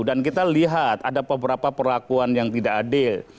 dan kita lihat ada beberapa perlakuan yang tidak adil